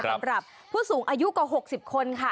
สำหรับผู้สูงอายุกว่า๖๐คนค่ะ